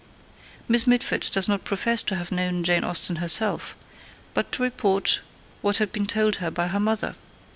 Miss Mitford does not profess to have known Jane Austen herself, but to report what had been told her by her mother.